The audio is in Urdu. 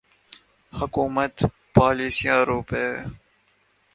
حکومتی پالیسیاں روپے